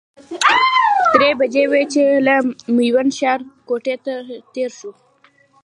درې بجې وې چې له میوند ښارګوټي تېر شولو.